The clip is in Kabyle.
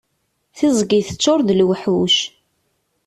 Tiẓgi teččur d luḥuc.